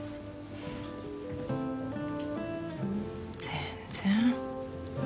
全然。